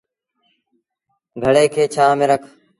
گھڙي کي ڇآنه ميݩ رک۔